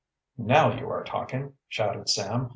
"Now you are talking!" shouted Sam.